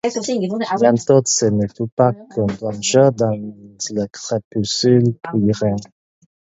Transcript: Bientôt ce ne fut plus qu'une blancheur dans le crépuscule; puis rien.